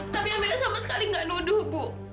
tapi amirah sama sekali gak nuduh bu